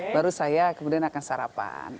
baru saya kemudian akan sarapan